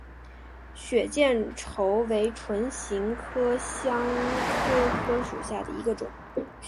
血见愁为唇形科香科科属下的一个种。